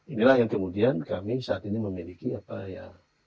inilah yang kemudian kami saat ini memiliki apa ya